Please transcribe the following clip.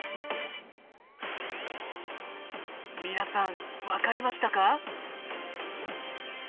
皆さん分かりましたか？